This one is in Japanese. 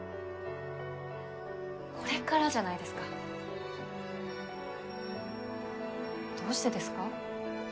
これからじゃないですかどうしてですか？